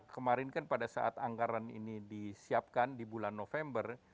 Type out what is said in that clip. dan juga kemarin kan pada saat anggaran ini disiapkan di bulan november